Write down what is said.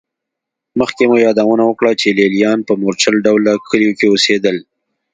مخکې مو یادونه وکړه چې لېلیان په مورچل ډوله کلیو کې اوسېدل